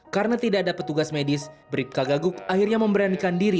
karena tidak ada petugas medis bripka gaguk akhirnya memberanikan diri